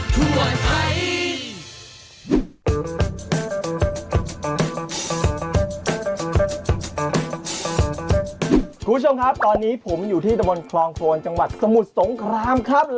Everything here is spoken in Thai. คุณผู้ชมครับตอนนี้ผมอยู่ที่ตะบนคลองโฟนจังหวัดสมุทรสงครามครับ